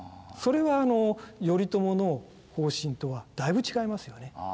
それは頼朝の方針とはだいぶ違いますよね。